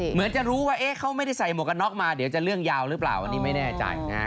เหมือนจะรู้ว่าเขาไม่ได้ใส่หมวกกันน็อกมาเดี๋ยวจะเรื่องยาวหรือเปล่าอันนี้ไม่แน่ใจนะครับ